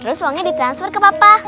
terus uangnya ditransfer ke bapak